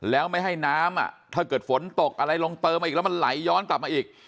แล้วไม่ให้น้ำถ้าเกิดฝนตกอะไรลงเติมมาอีกแล้วมันไหลย้อนกลับมาอีก